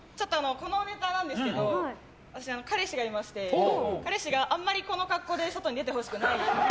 このネタなんですけど私、彼氏がいまして彼氏があまりこの格好で外に出てほしくないと。